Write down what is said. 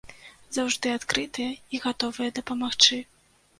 Заўжды адкрытыя і гатовыя дапамагчы.